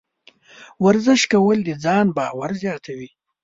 ورزش کول د ځان باور زیاتوي.